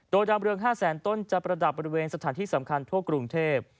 โดยดาวมเรือง๕แสนต้นจะประดับบริเวณสถานที่สำคัญทั่วกรุงเทพ